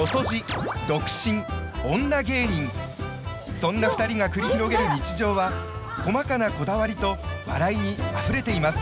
そんな２人が繰り広げる日常は細かなこだわりと笑いにあふれています。